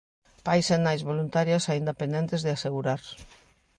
"Pais e nais voluntarias aínda pendentes de asegurar".